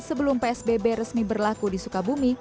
sebelum psbb resmi berlaku di sukabumi